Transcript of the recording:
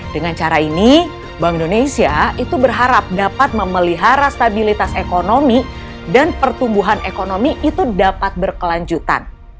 dengan cara ini bank indonesia itu berharap dapat memelihara stabilitas ekonomi dan pertumbuhan ekonomi itu dapat berkelanjutan